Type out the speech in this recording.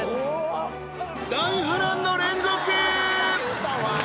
大波乱の連続！